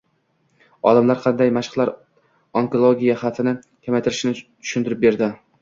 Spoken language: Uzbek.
Olimlar qanday mashqlar onkologiya xavfini kamaytirishini tushuntirib berdi